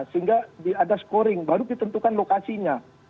sehingga ada scoring baru ditentukan lokasinya